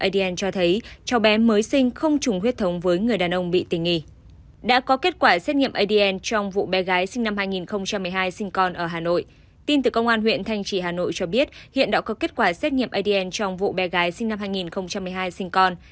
tin từ công an huyện thanh trì hà nội cho biết hiện đã có kết quả xét nghiệm adn trong vụ bé gái sinh năm hai nghìn một mươi hai sinh con